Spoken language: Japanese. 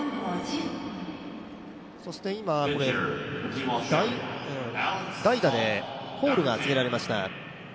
そして今、代打でホールが告げられました。